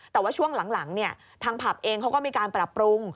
แต่ว่าช่วงหลังทางผับเองเขาก็มีการปรับปรุง